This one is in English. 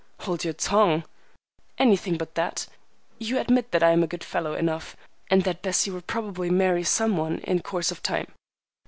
"Hold your tongue!" "Anything but that. You admit that I am a good fellow enough, and that Bessie would probably marry some one in course of time.